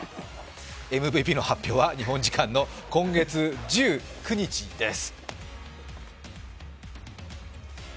МＶＰの発表は日本時間の今月９日です。